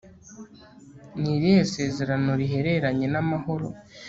Ni irihe sezerano rihereranye n amahoro